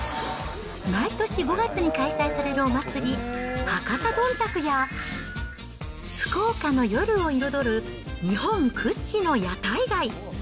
毎年５月に開催されるお祭り、博多どんたくや、福岡の夜を彩る日本屈指の屋台街。